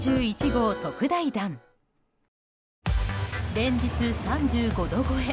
連日３５度超え。